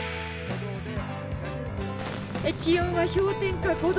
気温は氷点下５度。